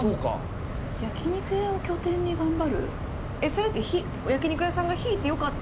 それって。